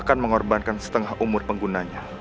akan mengorbankan setengah umur penggunanya